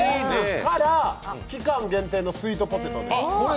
ただ、期間限定のスイートポテトです。